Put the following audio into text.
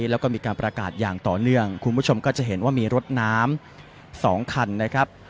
แล้วก็มีการประกาศอย่างต่อเนื่องคุณผู้ชมก็จะเห็นว่ามีรถน้ำ๒คันนะครับ